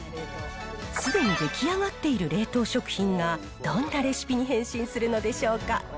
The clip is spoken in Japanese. すでに出来上がっている冷凍食品が、どんなレシピに変身するのでしょうか。